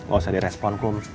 gak usah di respon kum